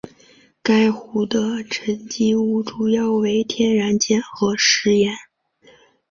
该湖的沉积物主要为天然碱和石盐。